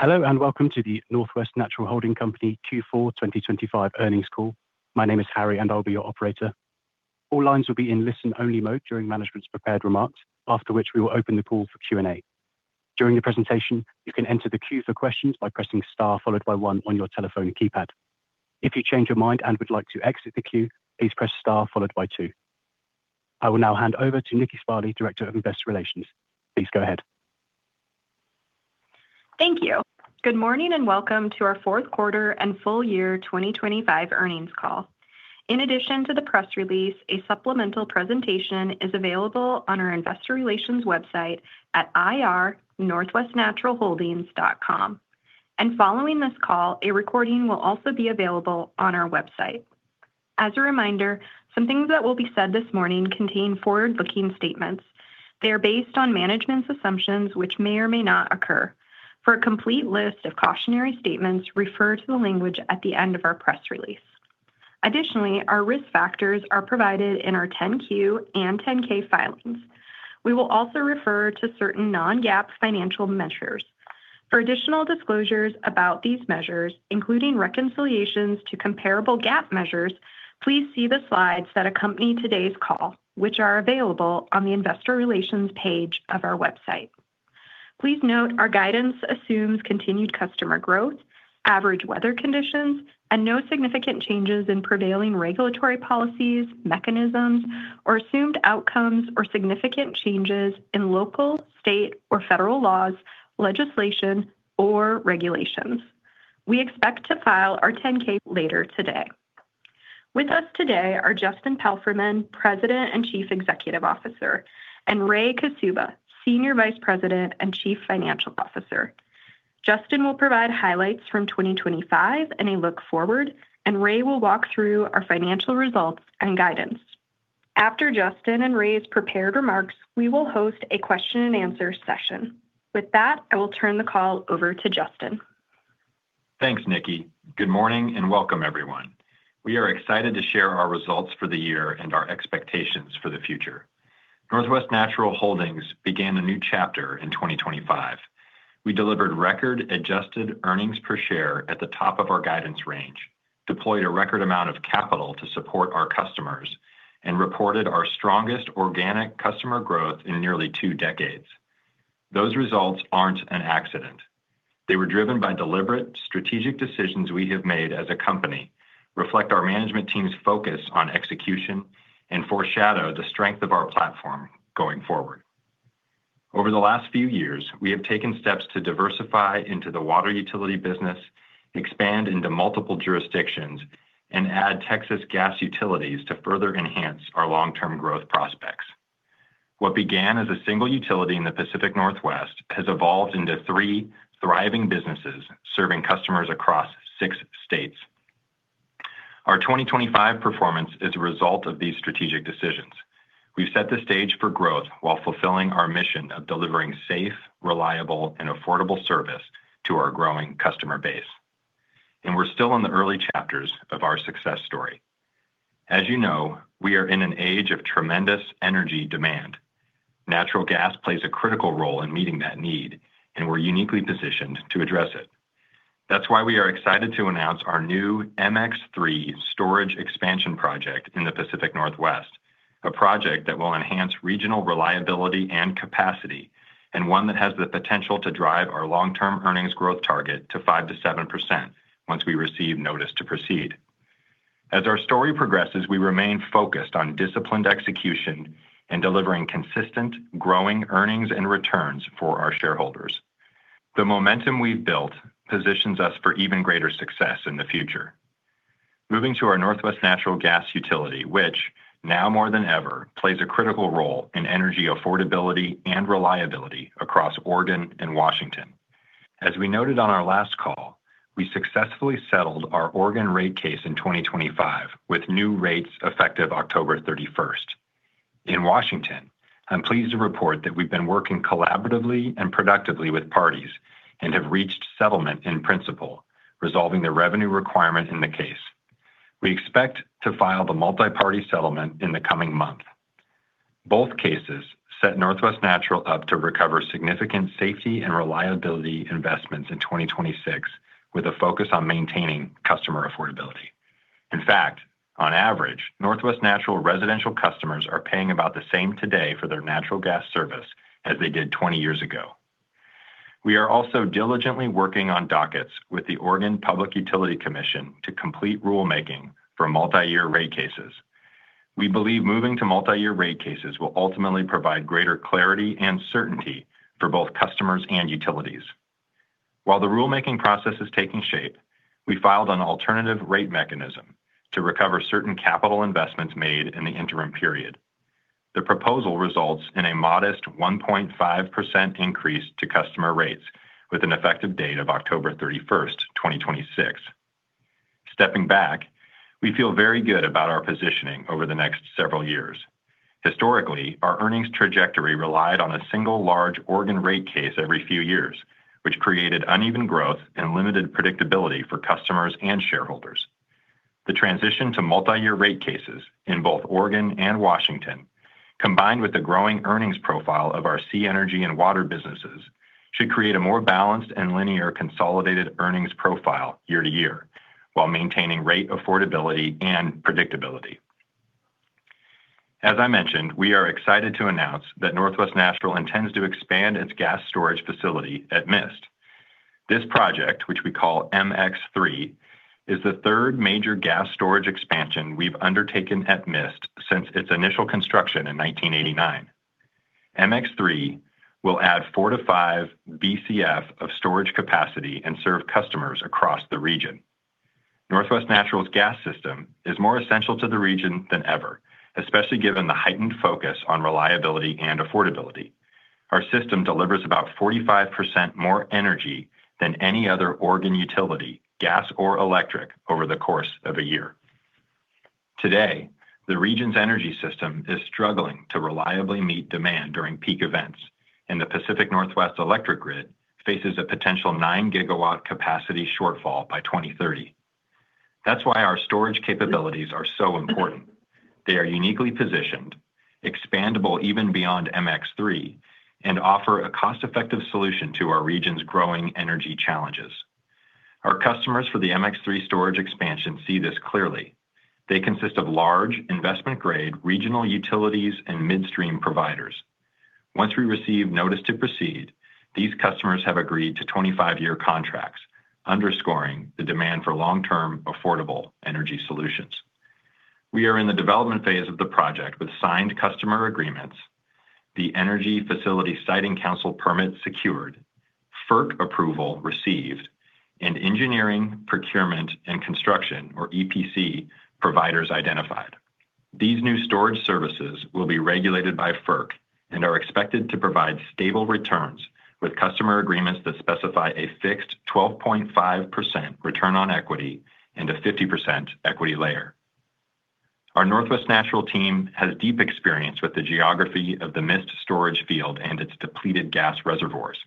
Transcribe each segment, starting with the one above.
Hello, welcome to the NW Natural Holding Company Q4 2025 Earnings Call. My name is Harry, I'll be your operator. All lines will be in listen-only mode during management's prepared remarks, after which we will open the call for Q&A. During the presentation, you can enter the queue for questions by pressing star followed by one on your telephone keypad. If you change your mind and would like to exit the queue, please press star followed by two. I will now hand over to Nikki Sparley, Director of Investor Relations. Please go ahead. Thank you. Welcome to our fourth quarter and full year 2025 earnings call. In addition to the press release, a supplemental presentation is available on our Investor Relations website at ir.northwestnaturalholdings.com. Following this call, a recording will also be available on our website. As a reminder, some things that will be said this morning contain forward-looking statements. They are based on management's assumptions, which may or may not occur. For a complete list of cautionary statements, refer to the language at the end of our press release. Additionally, our risk factors are provided in our 10-Q and 10-K filings. We will also refer to certain non-GAAP financial measures. For additional disclosures about these measures, including reconciliations to comparable GAAP measures, please see the slides that accompany today's call, which are available on the Investor Relations page of our website. Please note, our guidance assumes continued customer growth, average weather conditions, and no significant changes in prevailing regulatory policies, mechanisms, or assumed outcomes, or significant changes in local, state, or federal laws, legislation, or regulations. We expect to file our 10-K later today. With us today are Justin Palfreyman, President and Chief Executive Officer, and Ray Kaszuba, Senior Vice President and Chief Financial Officer. Justin will provide highlights from 2025 and a look forward, and Ray will walk through our financial results and guidance. After Justin and Ray's prepared remarks, we will host a question and answer session. With that, I will turn the call over to Justin. Thanks, Nikki. Good morning and welcome everyone. We are excited to share our results for the year and our expectations for the future. Northwest Natural Holdings began a new chapter in 2025. We delivered record-adjusted earnings per share at the top of our guidance range, deployed a record amount of capital to support our customers, and reported our strongest organic customer growth in nearly two decades. Those results aren't an accident. They were driven by deliberate, strategic decisions we have made as a company, reflect our management team's focus on execution, and foreshadow the strength of our platform going forward. Over the last few years, we have taken steps to diversify into the water utility business, expand into multiple jurisdictions, and add Texas gas utilities to further enhance our long-term growth prospects. What began as a single utility in the Pacific Northwest has evolved into three thriving businesses serving customers across six states. Our 2025 performance is a result of these strategic decisions. We've set the stage for growth while fulfilling our mission of delivering safe, reliable, and affordable service to our growing customer base, and we're still in the early chapters of our success story. As you know, we are in an age of tremendous energy demand. Natural gas plays a critical role in meeting that need, and we're uniquely positioned to address it. That's why we are excited to announce our new MX3 Gas Storage Expansion project in the Pacific Northwest, a project that will enhance regional reliability and capacity, and one that has the potential to drive our long-term earnings growth target to 5%-7% once we receive notice to proceed. As our story progresses, we remain focused on disciplined execution and delivering consistent, growing earnings and returns for our shareholders. The momentum we've built positions us for even greater success in the future. Moving to our Northwest Natural Gas utility, which now more than ever, plays a critical role in energy affordability and reliability across Oregon and Washington. As we noted on our last call, we successfully settled our Oregon rate case in 2025, with new rates effective October 31st. In Washington, I'm pleased to report that we've been working collaboratively and productively with parties and have reached settlement in principle, resolving the revenue requirement in the case. We expect to file the multi-party settlement in the coming month. Both cases set Northwest Natural up to recover significant safety and reliability investments in 2026, with a focus on maintaining customer affordability. In fact, on average, Northwest Natural residential customers are paying about the same today for their natural gas service as they did 20 years ago. We are also diligently working on dockets with the Oregon Public Utility Commission to complete rulemaking for multi-year rate cases. We believe moving to multi-year rate cases will ultimately provide greater clarity and certainty for both customers and utilities. While the rulemaking process is taking shape, we filed an alternative rate mechanism to recover certain capital investments made in the interim period. The proposal results in a modest 1.5% increase to customer rates, with an effective date of October 31st, 2026. Stepping back, we feel very good about our positioning over the next several years. Historically, our earnings trajectory relied on a single large Oregon rate case every few years, which created uneven growth and limited predictability for customers and shareholders. The transition to multi-year rate cases in both Oregon and Washington, combined with the growing earnings profile of our SiEnergy and Water businesses, should create a more balanced and linear consolidated earnings profile year to year, while maintaining rate affordability and predictability. As I mentioned, we are excited to announce that Northwest Natural intends to expand its gas storage facility at Mist. This project, which we call MX3, is the third major gas storage expansion we've undertaken at Mist since its initial construction in 1989. MX3 will add four to five BCF of storage capacity and serve customers across the region. Northwest Natural's gas system is more essential to the region than ever, especially given the heightened focus on reliability and affordability. Our system delivers about 45% more energy than any other Oregon utility, gas or electric, over the course of a year. Today, the region's energy system is struggling to reliably meet demand during peak events, and the Pacific Northwest Electric Grid faces a potential 9-GW capacity shortfall by 2030. That's why our storage capabilities are so important. They are uniquely positioned, expandable even beyond MX3, and offer a cost-effective solution to our region's growing energy challenges. Our customers for the MX3 storage expansion see this clearly. They consist of large, investment-grade regional utilities and midstream providers. Once we receive notice to proceed, these customers have agreed to 25-year contracts, underscoring the demand for long-term, affordable energy solutions. We are in the development phase of the project with signed customer agreements, the Energy Facility Siting Council permit secured, FERC approval received, and engineering, procurement, and construction, or EPC, providers identified. These new storage services will be regulated by FERC and are expected to provide stable returns with customer agreements that specify a fixed 12.5 return on equity and a 50% equity layer. Our Northwest Natural team has deep experience with the geography of the Mist storage field and its depleted gas reservoirs.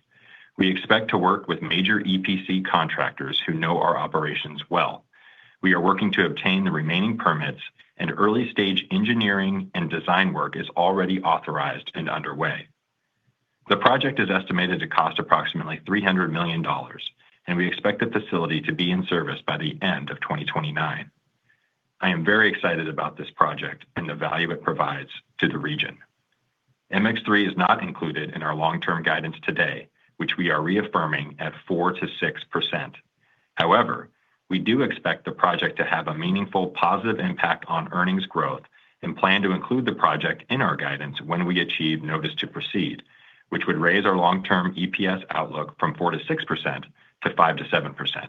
We expect to work with major EPC contractors who know our operations well. We are working to obtain the remaining permits, and early-stage engineering and design work is already authorized and underway. The project is estimated to cost approximately $300 million, and we expect the facility to be in service by the end of 2029. I am very excited about this project and the value it provides to the region. MX3 is not included in our long-term guidance today, which we are reaffirming at 4%-6%. We do expect the project to have a meaningful, positive impact on earnings growth and plan to include the project in our guidance when we achieve notice to proceed, which would raise our long-term EPS outlook from 4%-6% to 5%-7%.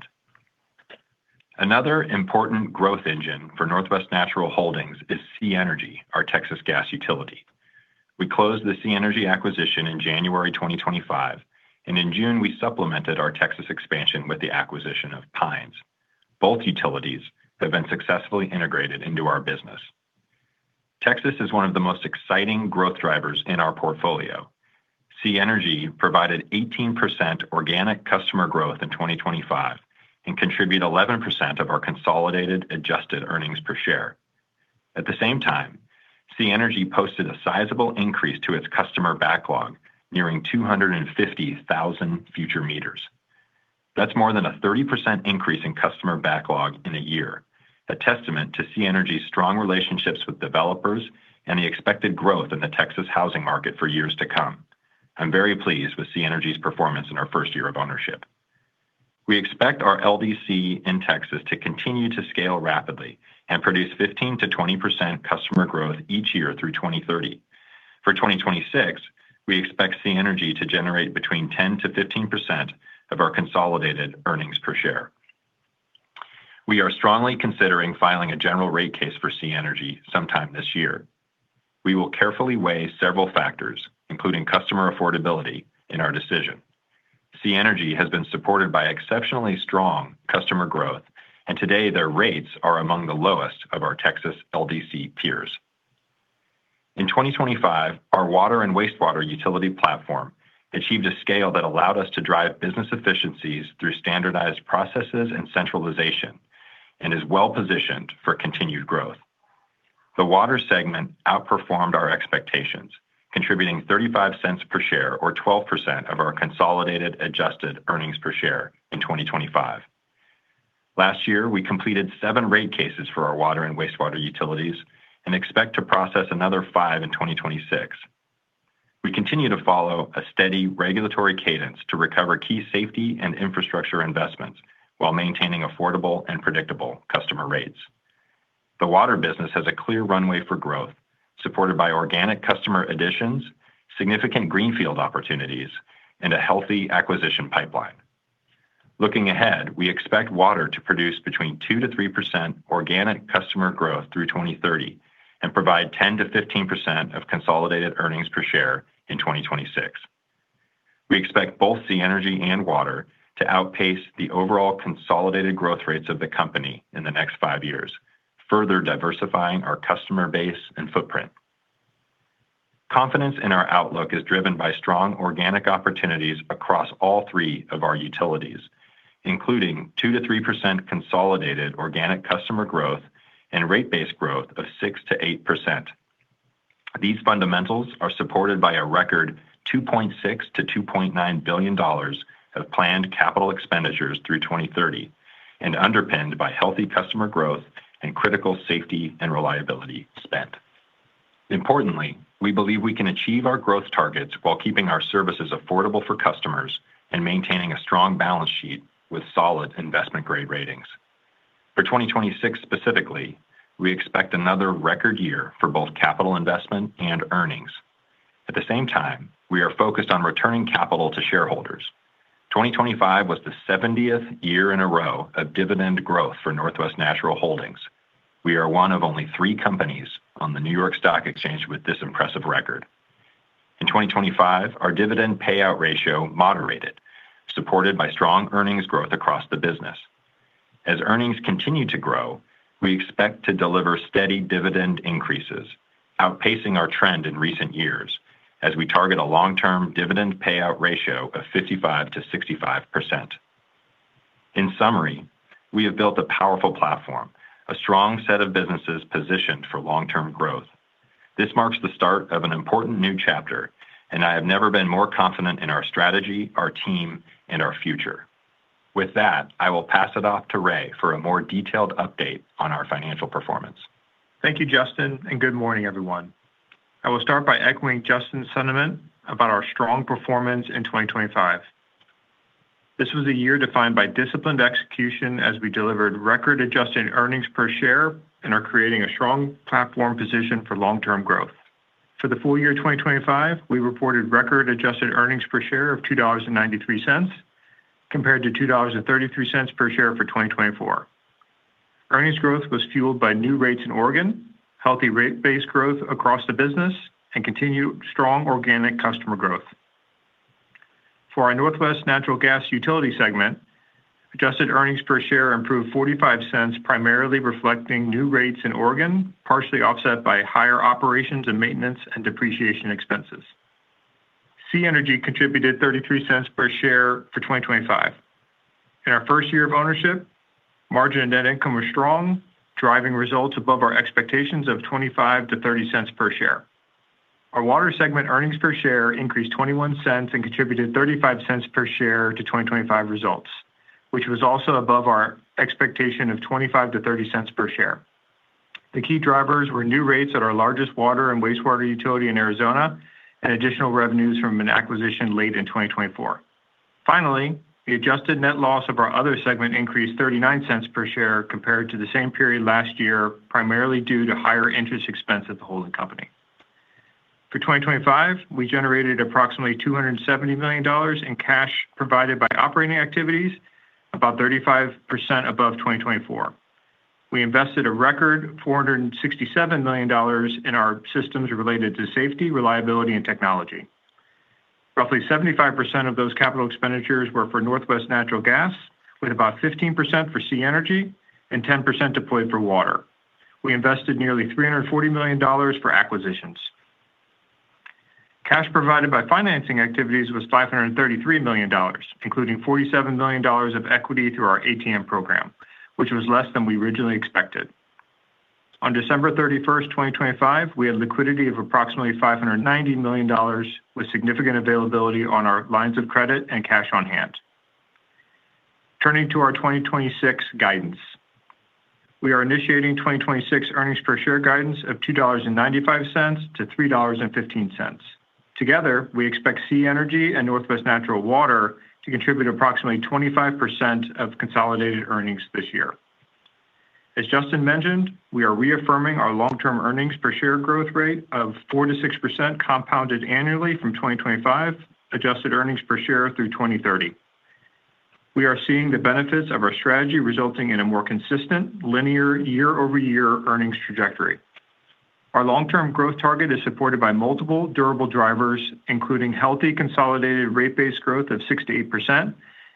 Another important growth engine for Northwest Natural Holdings is SiEnergy, our Texas gas utility. We closed the SiEnergy acquisition in January 2025, and in June, we supplemented our Texas expansion with the acquisition of Pines. Both utilities have been successfully integrated into our business. Texas is one of the most exciting growth drivers in our portfolio. SiEnergy provided 18% organic customer growth in 2025 and contribute 11% of our consolidated adjusted earnings per share. At the same time, SiEnergy posted a sizable increase to its customer backlog, nearing 250,000 future meters. That's more than a 30% increase in customer backlog in a year, a testament to SiEnergy's strong relationships with developers and the expected growth in the Texas housing market for years to come. I'm very pleased with SiEnergy's performance in our first year of ownership. We expect our LDC in Texas to continue to scale rapidly and produce 15%-20% customer growth each year through 2030. For 2026, we expect SiEnergy to generate between 10%-15% of our consolidated earnings per share. We are strongly considering filing a general rate case for SiEnergy sometime this year. We will carefully weigh several factors, including customer affordability in our decision. SiEnergy has been supported by exceptionally strong customer growth, and today their rates are among the lowest of our Texas LDC peers. In 2025, our water and wastewater utility platform achieved a scale that allowed us to drive business efficiencies through standardized processes and centralization and is well positioned for continued growth. The water segment outperformed our expectations, contributing $0.35 per share or 12% of our consolidated adjusted earnings per share in 2025. Last year, we completed seven rate cases for our water and wastewater utilities and expect to process another five in 2026. We continue to follow a steady regulatory cadence to recover key safety and infrastructure investments while maintaining affordable and predictable customer rates. The water business has a clear runway for growth, supported by organic customer additions, significant greenfield opportunities, and a healthy acquisition pipeline. Looking ahead, we expect Water to produce between 2%-3% organic customer growth through 2030 and provide 10%-15% of consolidated EPS in 2026. We expect both SiEnergy and Water to outpace the overall consolidated growth rates of the company in the next five years, further diversifying our customer base and footprint. Confidence in our outlook is driven by strong organic opportunities across all three of our utilities, including 2%-3% consolidated organic customer growth and rate-based growth of 6%-8%. These fundamentals are supported by a record $2.6 billion-$2.9 billion of planned capital expenditures through 2030, underpinned by healthy customer growth and critical safety and reliability spent. Importantly, we believe we can achieve our growth targets while keeping our services affordable for customers and maintaining a strong balance sheet with solid investment-grade ratings. For 2026 specifically, we expect another record year for both capital investment and earnings. At the same time, we are focused on returning capital to shareholders. 2025 was the 70th year in a row of dividend growth for Northwest Natural Holdings. We are one of only three companies on the New York Stock Exchange with this impressive record. In 2025, our dividend payout ratio moderated, supported by strong earnings growth across the business. As earnings continue to grow, we expect to deliver steady dividend increases, outpacing our trend in recent years as we target a long-term dividend payout ratio of 55%-65%. In summary, we have built a powerful platform, a strong set of businesses positioned for long-term growth. This marks the start of an important new chapter, and I have never been more confident in our strategy, our team, and our future. With that, I will pass it off to Ray for a more detailed update on our financial performance. Thank you, Justin, and good morning, everyone. I will start by echoing Justin's sentiment about our strong performance in 2025. This was a year defined by disciplined execution as we delivered record-adjusted earnings per share and are creating a strong platform position for long-term growth. For the full year 2025, we reported record-adjusted earnings per share of $2.93, compared to $2.33 per share for 2024. Earnings growth was fueled by new rates in Oregon, healthy rate-based growth across the business, and continued strong organic customer growth. For our Northwest Natural Gas utility segment, adjusted earnings per share improved $0.45, primarily reflecting new rates in Oregon, partially offset by higher operations and maintenance and depreciation expenses. SiEnergy contributed $0.33 per share for 2025. In our first year of ownership, margin and net income were strong, driving results above our expectations of $0.25-$0.30 per share. Our water segment earnings per share increased $0.21 and contributed $0.35 per share to 2025 results, which was also above our expectation of $0.25-$0.30 per share. The key drivers were new rates at our largest water and wastewater utility in Arizona and additional revenues from an acquisition late in 2024. The adjusted net loss of our other segment increased $0.39 per share compared to the same period last year, primarily due to higher interest expense at the holding company. For 2025, we generated approximately $270 million in cash provided by operating activities, about 35% above 2024. We invested a record $467 million in our systems related to safety, reliability, and technology. Roughly 75% of those capital expenditures were for Northwest Natural Gas, with about 15% for SiEnergy and 10% deployed for water. We invested nearly $340 million for acquisitions. Cash provided by financing activities was $533 million, including $47 million of equity through our ATM program, which was less than we originally expected. On December 31st, 2025, we had liquidity of approximately $590 million, with significant availability on our lines of credit and cash on hand. Turning to our 2026 guidance. We are initiating 2026 earnings per share guidance of $2.95-$3.15. Together, we expect SiEnergy and Northwest Natural Water to contribute approximately 25% of consolidated earnings this year. As Justin mentioned, we are reaffirming our long-term earnings per share growth rate of 4%-6% compounded annually from 2025, adjusted earnings per share through 2030. We are seeing the benefits of our strategy resulting in a more consistent, linear year-over-year earnings trajectory. Our long-term growth target is supported by multiple durable drivers, including healthy consolidated rate-based growth of 6%-8%,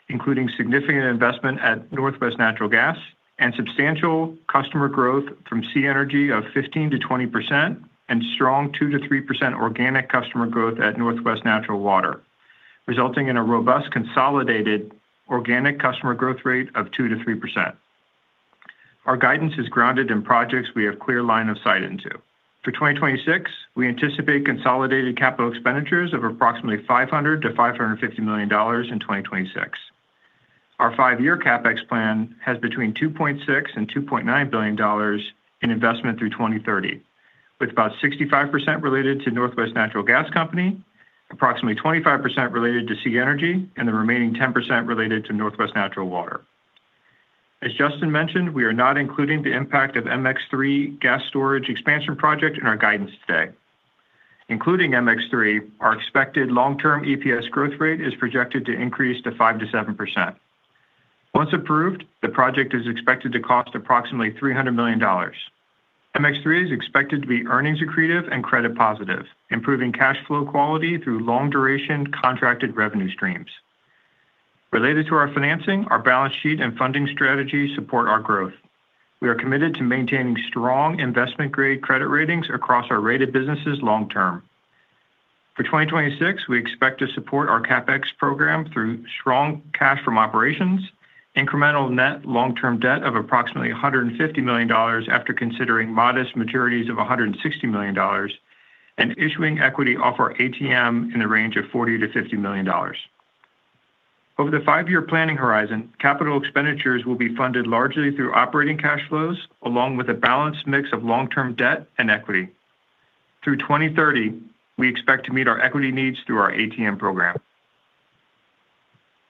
including significant investment at Northwest Natural Gas and substantial customer growth from SiEnergy of 15%-20%, and strong 2%-3% organic customer growth at Northwest Natural Water, resulting in a robust consolidated organic customer growth rate of 2%-3%. Our guidance is grounded in projects we have clear line of sight into. For 2026, we anticipate consolidated capital expenditures of approximately $500 million-$550 million in 2026. Our five-year CapEx plan has between $2.6 billion and $2.9 billion in investment through 2030, with about 65% related to Northwest Natural Gas Company, approximately 25% related to SiEnergy, and the remaining 10% related to Northwest Natural Water. As Justin mentioned, we are not including the impact of MX3 Gas Storage Expansion Project in our guidance today. Including MX3, our expected long-term EPS growth rate is projected to increase to 5%-7%. Once approved, the project is expected to cost approximately $300 million. MX3 is expected to be earnings accretive and credit positive, improving cash flow quality through long-duration contracted revenue streams. Related to our financing, our balance sheet and funding strategy support our growth. We are committed to maintaining strong investment-grade credit ratings across our rated businesses long-term. For 2026, we expect to support our CapEx program through strong cash from operations, incremental net long-term debt of approximately $150 million after considering modest maturities of $160 million, and issuing equity off our ATM in the range of $40 million-$50 million. Over the five-year planning horizon, capital expenditures will be funded largely through operating cash flows, along with a balanced mix of long-term debt and equity. Through 2030, we expect to meet our equity needs through our ATM program.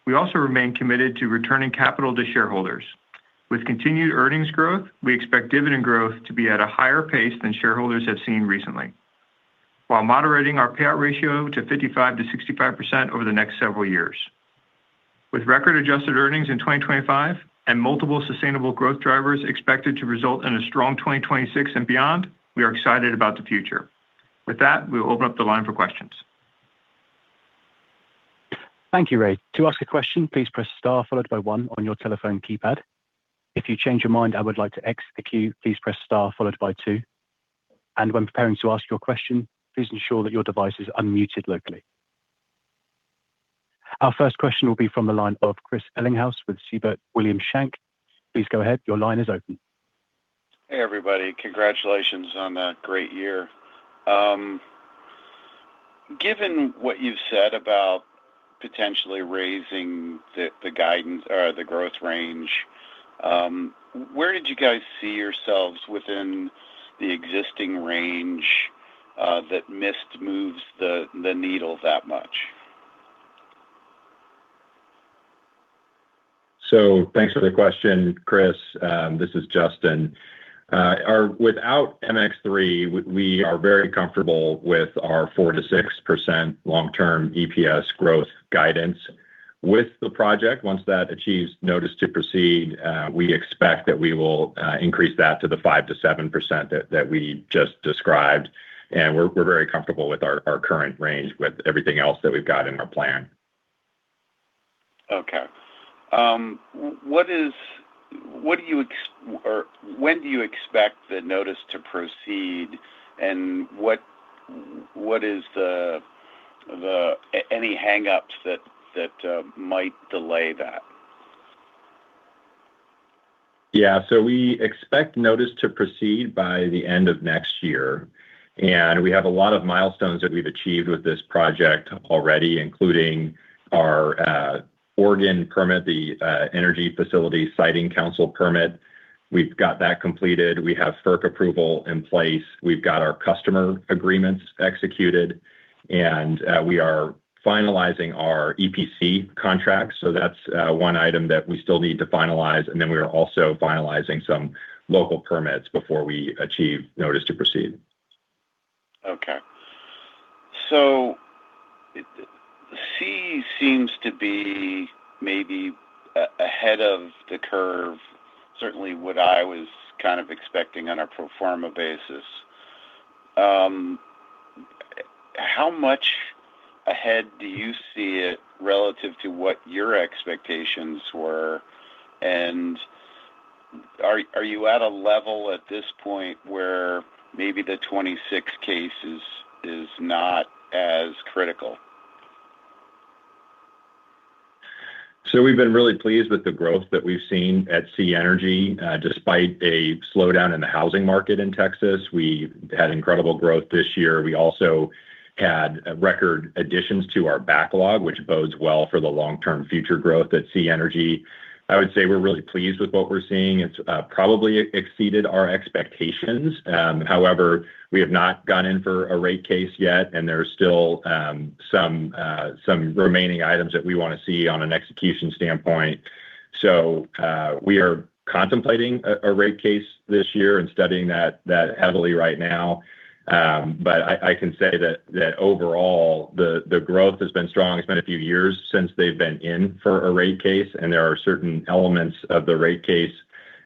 We also remain committed to returning capital to shareholders. With continued earnings growth, we expect dividend growth to be at a higher pace than shareholders have seen recently, while moderating our payout ratio to 55%-65% over the next several years. With record-adjusted earnings in 2025 and multiple sustainable growth drivers expected to result in a strong 2026 and beyond, we are excited about the future. With that, we'll open up the line for questions. Thank you, Ray. To ask a question, please press star followed by one on your telephone keypad. If you change your mind, I would like to exit the queue, please press star followed by two. When preparing to ask your question, please ensure that your device is unmuted locally. Our first question will be from the line of Chris Ellinghaus with Siebert Williams Shank. Please go ahead. Your line is open. Hey, everybody. Congratulations on that great year. Given what you've said about potentially raising the guidance or the growth range, where did you guys see yourselves within the existing range, that Mist moves the needle that much? Thanks for the question, Chris. This is Justin. Without MX3, we are very comfortable with our 4%-6% long-term EPS growth guidance with the project. Once that achieves notice to proceed, we expect that we will increase that to the 5%-7% that we just described, and we're very comfortable with our current range, with everything else that we've got in our plan. When do you expect the notice to proceed, and what is the any hangups that might delay that? Yeah. We expect notice to proceed by the end of next year, and we have a lot of milestones that we've achieved with this project already, including our Oregon permit, the Energy Facility Siting Council permit. We've got that completed. We have FERC approval in place. We've got our customer agreements executed, and we are finalizing our EPC contract, so that's one item that we still need to finalize, and then we are also finalizing some local permits before we achieve notice to proceed. CE seems to be maybe ahead of the curve, certainly what I was kind of expecting on a pro forma basis. How much ahead do you see it relative to what your expectations were? Are you at a level at this point where maybe the 2026 case is not as critical? We've been really pleased with the growth that we've seen at SiEnergy. Despite a slowdown in the housing market in Texas, we had incredible growth this year. We also had record additions to our backlog, which bodes well for the long-term future growth at SiEnergy. I would say we're really pleased with what we're seeing. It's probably exceeded our expectations. However, we have not gone in for a rate case yet, and there are still some remaining items that we want to see on an execution standpoint. We are contemplating a rate case this year and studying that heavily right now. I can say that overall, the growth has been strong. It's been a few years since they've been in for a rate case, and there are certain elements of the rate case,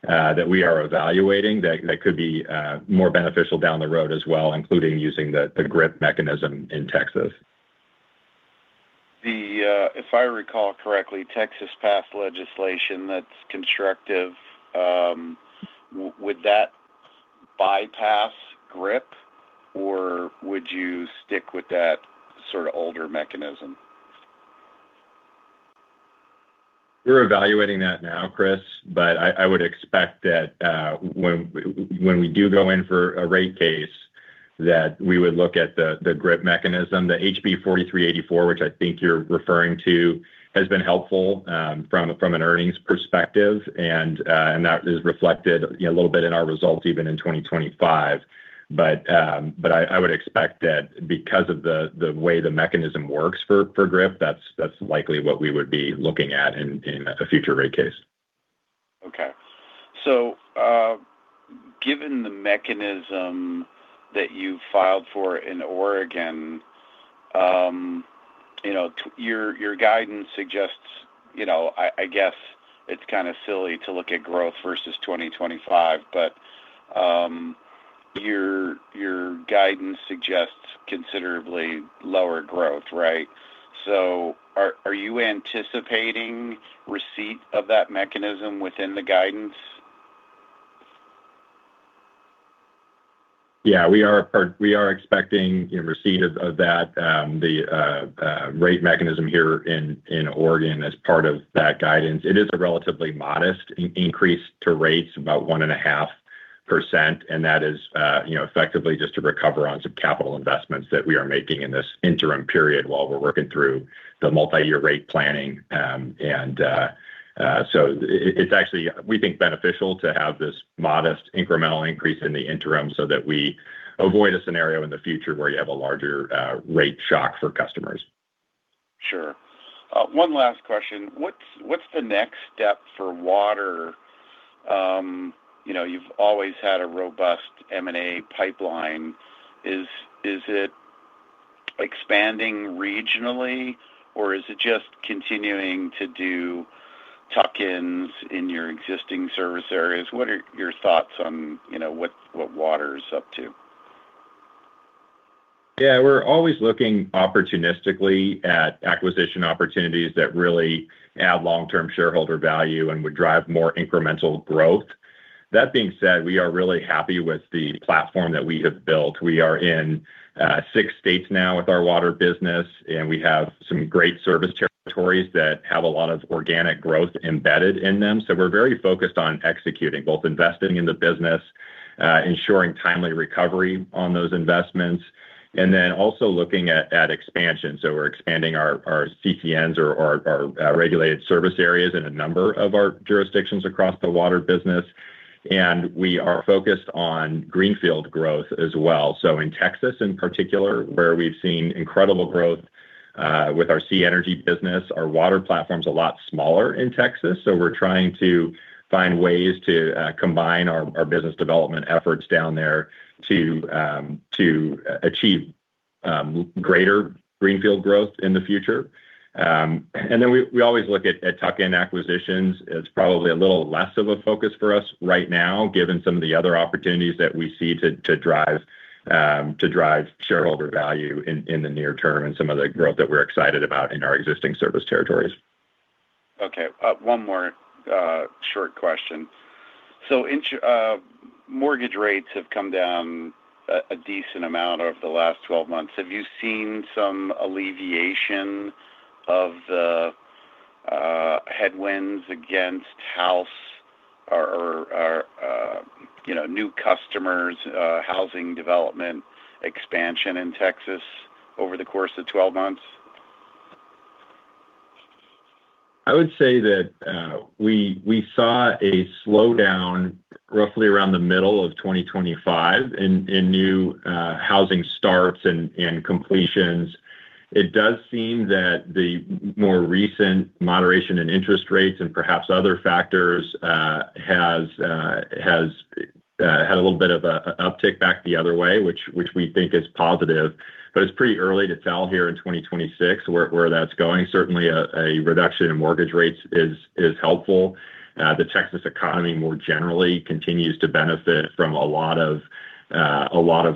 that we are evaluating, that could be more beneficial down the road as well, including using the GRIP mechanism in Texas. The, if I recall correctly, Texas passed legislation that's constructive. Would that bypass GRIP, or would you stick with that sort of older mechanism? We're evaluating that now, Chris, I would expect that, when we do go in for a rate case, that we would look at the GRIP mechanism. The HB 4384, which I think you're referring to, has been helpful, from a, from an earnings perspective, and that is reflected, you know, a little bit in our results even in 2025. I would expect that because of the way the mechanism works for GRIP, that's likely what we would be looking at in a future rate case. Okay. given the mechanism that you filed for in Oregon, you know, your guidance suggests, you know, I guess it's kind of silly to look at growth versus 2025, but. Your guidance suggests considerably lower growth, right? Are you anticipating receipt of that mechanism within the guidance? Yeah, we are expecting the receipt of that, the rate mechanism here in Oregon as part of that guidance. It is a relatively modest increase to rates, about 1.5%, and that is, you know, effectively just to recover on some capital investments that we are making in this interim period while we're working through the multi-year rate planning. It's actually, we think, beneficial to have this modest incremental increase in the interim so that we avoid a scenario in the future where you have a larger rate shock for customers. Sure. One last question. What's the next step for water? You know, you've always had a robust M&A pipeline. Is it expanding regionally, or is it just continuing to do tuck-ins in your existing service areas? What are your thoughts on, you know, what water is up to? We're always looking opportunistically at acquisition opportunities that really add long-term shareholder value and would drive more incremental growth. That being said, we are really happy with the platform that we have built. We are in six states now with our water business, and we have some great service territories that have a lot of organic growth embedded in them. We're very focused on executing, both investing in the business, ensuring timely recovery on those investments, and then also looking at expansion. We're expanding our CCNs or our regulated service areas in a number of our jurisdictions across the water business, and we are focused on greenfield growth as well. In Texas, in particular, where we've seen incredible growth, with our SiEnergy business, our water platform is a lot smaller in Texas, so we're trying to find ways to combine our business development efforts down there to achieve greater greenfield growth in the future. We always look at tuck-in acquisitions. It's probably a little less of a focus for us right now, given some of the other opportunities that we see to drive shareholder value in the near term and some of the growth that we're excited about in our existing service territories. Okay, one more, short question. Mortgage rates have come down a decent amount over the last 12 months. Have you seen some alleviation of the headwinds against house or, you know, new customers, housing development expansion in Texas over the course of 12 months? I would say that we saw a slowdown roughly around the middle of 2025 in new housing starts and completions. It does seem that the more recent moderation in interest rates and perhaps other factors has had a little bit of a uptick back the other way, which we think is positive. It's pretty early to tell here in 2026, where that's going. Certainly, a reduction in mortgage rates is helpful. The Texas economy more generally continues to benefit from a lot of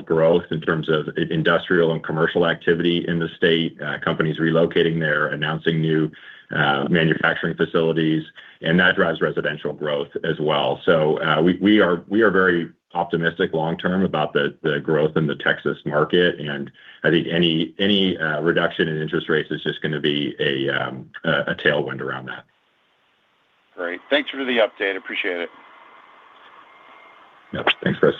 growth in terms of industrial and commercial activity in the state. Companies relocating there, announcing new manufacturing facilities, and that drives residential growth as well. We are very optimistic long term about the growth in the Texas market, and I think any reduction in interest rates is just gonna be a tailwind around that. Great. Thanks for the update. Appreciate it. Yep. Thanks, Chris.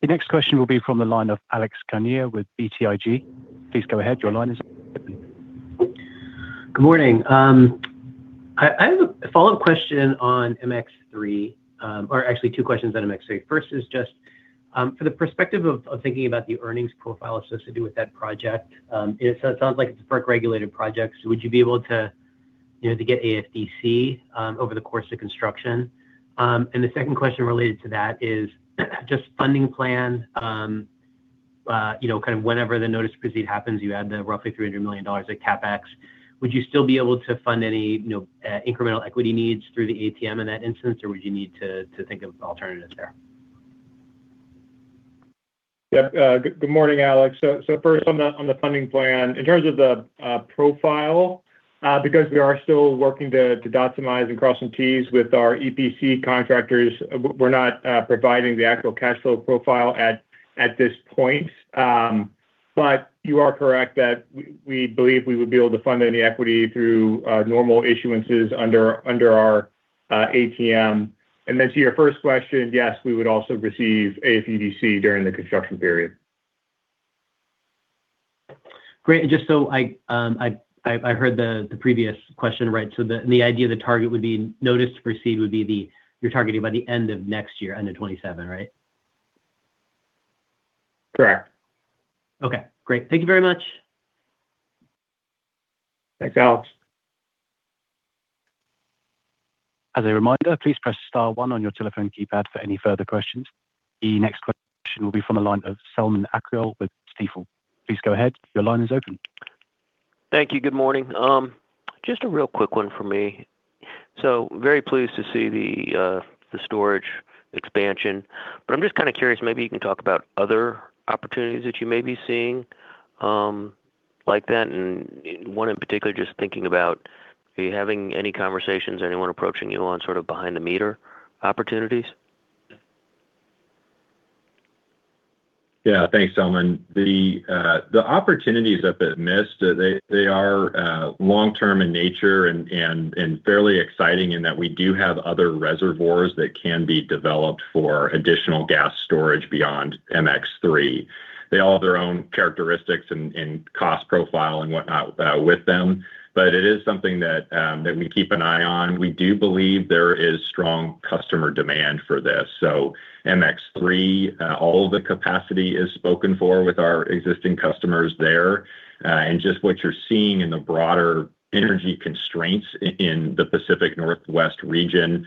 The next question will be from the line of Alex Kania with BTIG. Please go ahead. Your line is open. Good morning. I have a follow-up question on MX3, or actually two questions on MX3. First is just, for the perspective of thinking about the earnings profile associated with that project, it sounds like it's FERC-regulated projects. Would you be able to, you know, to get AFDC over the course of construction? The second question related to that is, just funding plan, you know, kind of whenever the notice to proceed happens, you add the roughly $300 million of CapEx. Would you still be able to fund any, you know, incremental equity needs through the ATM in that instance, or would you need to think of alternatives there? Good morning, Alex. First on the funding plan, in terms of the profile, because we are still working to dot some I's and cross some T's with our EPC contractors, we're not providing the actual cash flow profile at this point. You are correct that we believe we would be able to fund any equity through normal issuances under our ATM. To your first question, yes, we would also receive AFDC during the construction period. Great. Just so I heard the previous question, right? The idea the target would be notice to proceed would be you're targeting by the end of next year, end of 2027, right? Correct. Okay, great. Thank you very much. Thanks, Alex. As a reminder, please press star one on your telephone keypad for any further questions. The next question will be from the line of Selman Akyol with Stifel. Please go ahead. Your line is open. Thank you. Good morning. Just a real quick one for me. Very pleased to see the storage expansion. I'm just kind of curious, maybe you can talk about other opportunities that you may be seeing, like that, and one in particular, just thinking about, are you having any conversations, anyone approaching you on sort of behind the meter opportunities? Yeah. Thanks, Selman. The opportunities up at Mist, they are long-term in nature and fairly exciting in that we do have other reservoirs that can be developed for additional gas storage beyond MX3. They all have their own characteristics and cost profile and whatnot with them, it is something that we keep an eye on. We do believe there is strong customer demand for this. MX3, all the capacity is spoken for with our existing customers there. Just what you're seeing in the broader energy constraints in the Pacific Northwest region,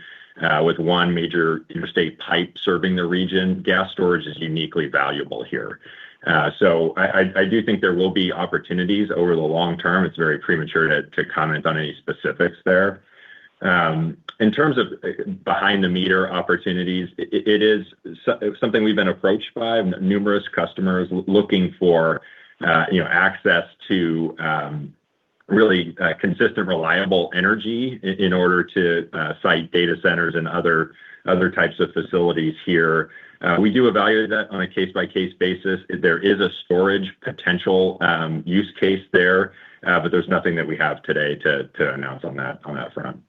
with one major interstate pipe serving the region, gas storage is uniquely valuable here. I do think there will be opportunities over the long term. It's very premature to comment on any specifics there. In terms of behind the meter opportunities, it is something we've been approached by numerous customers looking for, you know, access to, really, consistent, reliable energy in order to site data centers and other types of facilities here. We do evaluate that on a case-by-case basis. There is a storage potential, use case there, but there's nothing that we have today to announce on that front.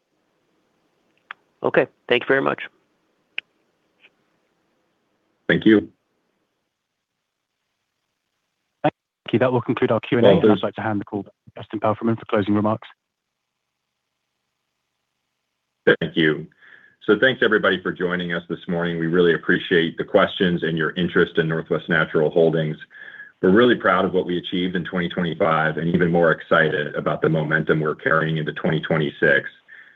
Okay. Thank you very much. Thank you. Thank you. That will conclude our Q&A. I'd like to hand the call to Justin Palfreyman for closing remarks. Thank you. Thanks, everybody, for joining us this morning. We really appreciate the questions and your interest in NW Natural Holdings. We're really proud of what we achieved in 2025, and even more excited about the momentum we're carrying into 2026.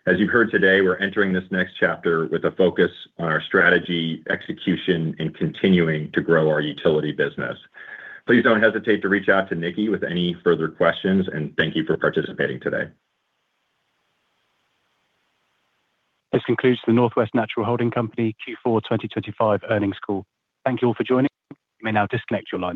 As you've heard today, we're entering this next chapter with a focus on our strategy, execution, and continuing to grow our utility business. Please don't hesitate to reach out to Nikki with any further questions, and thank you for participating today. This concludes the NW Natural Holding Company Q4 2025 earnings call. Thank you all for joining. You may now disconnect your lines.